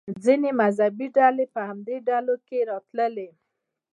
ځینې مذهبي ډلې په همدې ډلو کې راتلې.